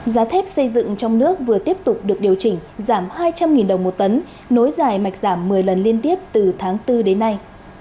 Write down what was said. giá thép xây dựng trong nước vừa tiếp tục được điều chỉnh giảm hai trăm linh đồng một tấn nối dài mạch giảm một mươi lần liên tiếp từ tháng bốn đến nay